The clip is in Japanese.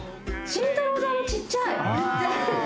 慎太郎さんも小っちゃい！